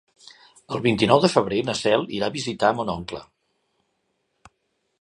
El vint-i-nou de febrer na Cel irà a visitar mon oncle.